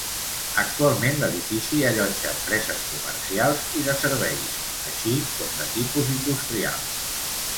Actualment l'edifici allotja empreses comercials i de serveis, així com de tipus industrial.